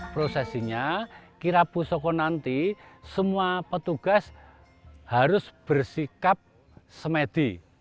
prosesnya kirap pusoko nanti semua petugas harus bersikap semedi